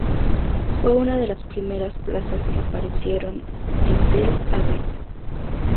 Fue una de las primeras plazas que aparecieron en Tel Aviv.